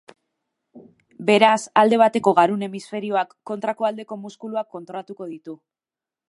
Beraz, alde bateko garun hemisferioak kontrako aldeko muskuluak kontrolatuko ditu.